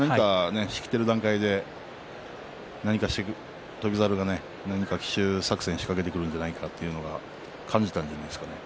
仕切ってる間に翔猿は何か奇襲作戦を仕掛けてくるんじゃないかと感じたんじゃないですかね。